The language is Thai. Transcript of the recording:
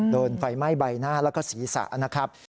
โดนไฟไหม้ใบหน้าแล้วก็ศีรษะนะครับ